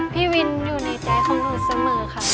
พี่วินอยู่ในใจของหนูเสมอค่ะ